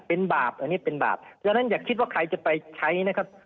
เป็นบาปอันนี้เป็นบาปฉะนั้นอย่าคิดว่าใครจะไปใช้นะครับ